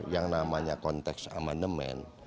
yang namanya konteks amandaman